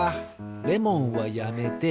レモンはやめて。